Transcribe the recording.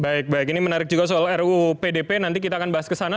baik baik ini menarik juga soal ruu pdp nanti kita akan bahas ke sana